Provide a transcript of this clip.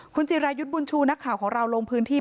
คุณจิรายุทธ์บุญชูนักข่าวของเราลงพื้นที่